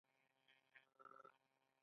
د پنجشیر درې هم لرغونی تاریخ لري